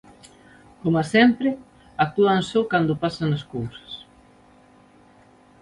Coma sempre, actúan só cando pasan as cousas.